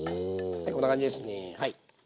はいこんな感じですね。